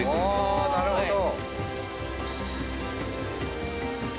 ああなるほど。